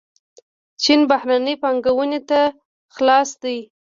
چین بهرنۍ پانګونې ته خلاص دی.